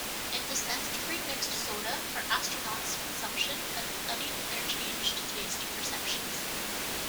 It dispensed pre-mixed soda for astronauts' consumption and studied their changed taste perceptions.